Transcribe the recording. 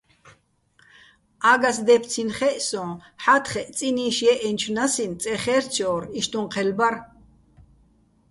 ა́გას დე́ფცინო̆ ხეჸ ცოჼ, ჰ̦ა́თხეჸ წინი́შ ჲე́ჸენჩო̆ ნასინ წე ხე́რცჲორ, იშტუჼ ჴელ ბარ.